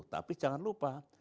tapi jangan lupa